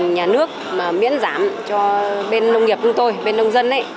nhà nước miễn giảm cho bên nông nghiệp chúng tôi bên nông dân